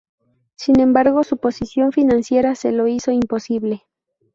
Sin embargo, su posición financiera se lo hizo imposible.